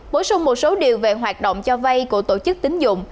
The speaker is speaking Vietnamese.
bổ sung một số điều về hoạt động cho vay của tổ chức tính dụng